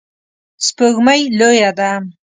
سپوږمۍ لویه ده